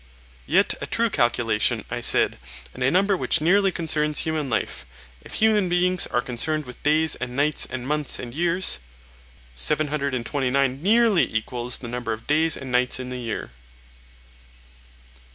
Yet a true calculation, I said, and a number which nearly concerns human life, if human beings are concerned with days and nights and months and years. (729 NEARLY equals the number of days and nights in the year.)